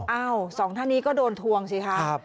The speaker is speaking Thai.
สองท่านนี้ก็โดนทวงสิคะ